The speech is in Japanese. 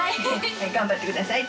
頑張ってください。